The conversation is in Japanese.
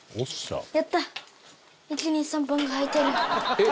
えっ